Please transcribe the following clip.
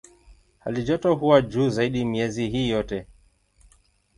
Halijoto huwa juu zaidi miezi hii yote.